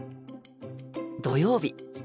土曜日。